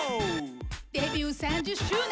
デビュー３０周年